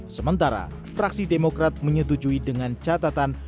sementara fraksi demokrat menyetujui dengan catatan